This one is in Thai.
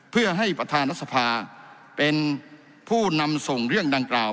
เพื่อให้ประธานรัฐสภาเป็นผู้นำส่งเรื่องดังกล่าว